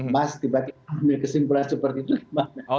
mas dibagi bagi mengambil kesimpulan seperti itu gimana